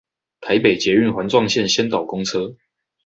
台北捷運環狀線先導公車